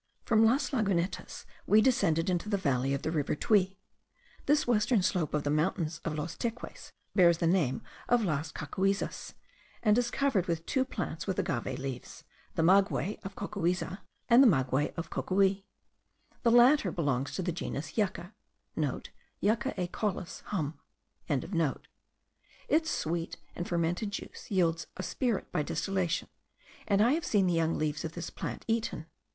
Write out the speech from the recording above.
From Las Lagunetas we descended into the valley of the Rio Tuy. This western slope of the mountains of Los Teques bears the name of Las Cocuyzas, and it is covered with two plants with agave leaves; the maguey of Cocuyza, and the maquey of Cocuy. The latter belongs to the genus Yucca.* (* Yucca acaulis, Humb.) Its sweet and fermented juice yields a spirit by distillation; and I have seen the young leaves of this plant eaten.